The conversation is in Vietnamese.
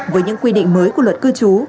với những quy định mới của luật cư trú